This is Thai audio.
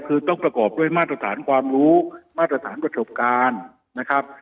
คือต้องประกอบด้วยมาตรฐานความรู้มาตรฐานประสบการณ์นะครับ